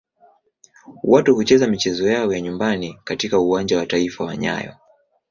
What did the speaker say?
Wao hucheza michezo yao ya nyumbani katika Uwanja wa Taifa wa nyayo.